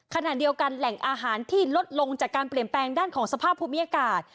ขณะเดียวกันแหล่งอาหารที่ลดลงจากการเปลี่ยนแปลงด้านของสภาพภูมิอากาศ